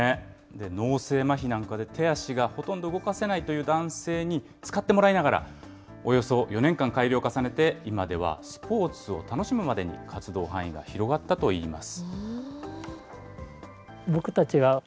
脳性まひなんかで、手足がほとんど動かせないという男性に使ってもらいながら、およそ４年間改良を重ねて、今ではスポーツを楽しむまでに活動範囲が広がったといいます。